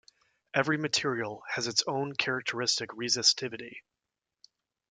Every material has its own characteristic resistivity.